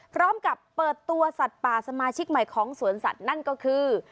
พร้อมกับเปิดตัวสัตว์ป่าสมาชิกใหม่ของสวนสัตว์นั่นก็คือ